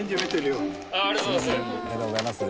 ありがとうございます！